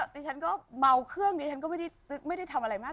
ดิฉันก็เมาเครื่องดิฉันก็ไม่ได้ทำอะไรมาก